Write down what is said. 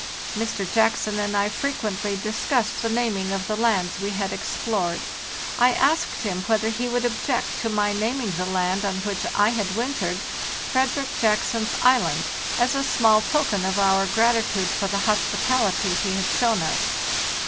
Mr. Jackson and I frequently discussed the naming of the lands we had explored. I asked him whether he would object to my naming the land on which I had wintered " Frederick Jackson's Island," as a small token of our gratitude for the hospitality he had shown us.